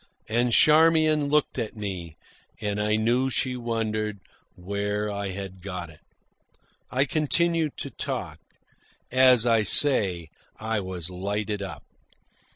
And Charmian looked at me, and I knew she wondered where I had got it. I continued to talk. As I say, I was lighted up.